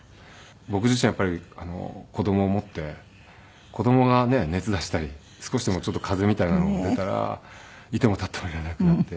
僕自身やっぱり子供を持って子供がねえ熱出したり少しでも風邪みたいなのが出たらいてもたってもいられなくなって。